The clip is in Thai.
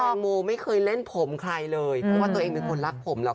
โมไม่เคยเล่นผมใครเลยเพราะว่าตัวเองเป็นคนรักผมหรอก